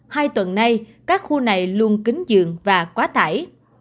hai tuần nay các khu này luôn kính giường và quá tải